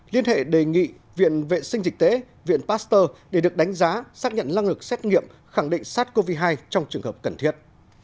liên hệ đề nghị viện vệ sinh dịch tế viện pasteur để được đánh giá xác nhận năng lực xét nghiệm khẳng định sars cov hai trong trường hợp cần thiết